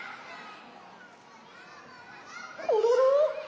コロロ？